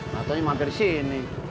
gak tanya nganya mampir di sini